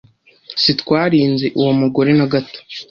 Sitwari nzi uwo mugore na gato.